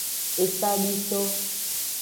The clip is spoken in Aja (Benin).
Esadito.